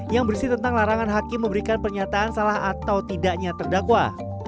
yang berisi tentang larangan hakim memberikan pernyataan salah atau tidaknya terdakwa